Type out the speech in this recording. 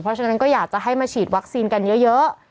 เพราะฉะนั้นก็อยากจะให้มาฉีดวัคซีนกันเยอะ